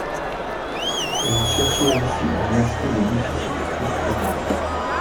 Vous cherchez ainsi à masquer le déficit structurel.